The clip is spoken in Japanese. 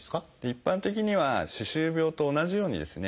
一般的には歯周病と同じようにですね